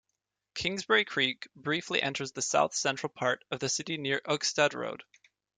Kingsbury Creek briefly enters the south-central part of the city near Ugstad Road.